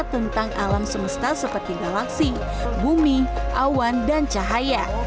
tentang alam semesta seperti galaksi bumi awan dan cahaya